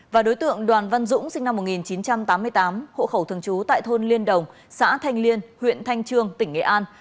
và đối tượng đoàn văn dũng sinh năm một nghìn chín trăm tám mươi tám hộ khẩu thường trú tại thôn liên đồng xã thanh liên huyện thanh trương tỉnh nghệ an